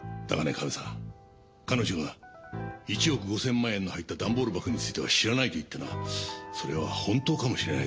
カメさん彼女が１億５０００万円の入った段ボール箱については知らないと言ったのはそれは本当かもしれないと思ってるんだ。